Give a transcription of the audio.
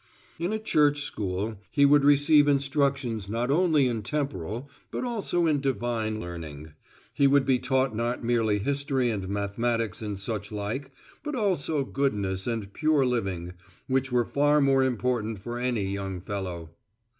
In a church school he would receive instructions not only in temporal, but also in divine learning. He would be taught not merely history and mathematics and such like, but also goodness and pure living, which were far more important for any young fellow.